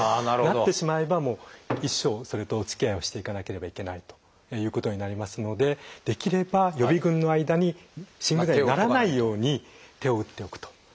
なってしまえばもう一生それとおつきあいをしていかなければいけないということになりますのでできれば予備群の間に心不全にならないように手を打っておくと。